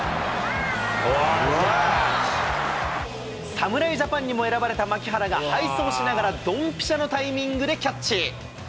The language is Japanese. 侍ジャパンにも選ばれた牧原が、背走しながらどんぴしゃのタイミングでキャッチ。